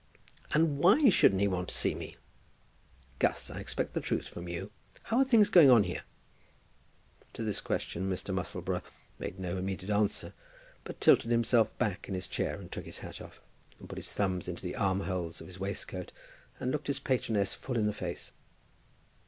"And why shouldn't he want to see me? Gus, I expect the truth from you. How are things going on here?" To this question Mr. Musselboro made no immediate answer; but tilted himself back in his chair and took his hat off, and put his thumbs into the arm holes of his waistcoat, and looked his patroness full in the face.